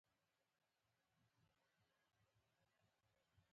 لومړی مو ذهن او بدن ارام کړئ.